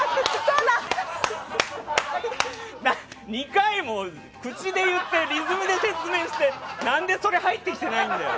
２回も口で言ってリズムで説明して何でそれ入ってきてないんだよ！